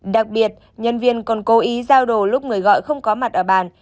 đặc biệt nhân viên còn cố ý giao đồ lúc người gọi không có mặt ở bàn